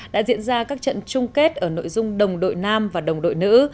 đã diễn ra các trận chung kết ở nội dung đồng đội nam và đồng đội nữ